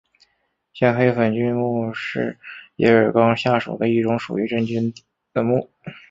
线黑粉菌目是银耳纲下属的一种属于真菌的目。